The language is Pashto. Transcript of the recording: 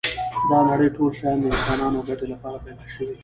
دا نړی ټول شیان د انسانانو ګټی لپاره پيدا شوی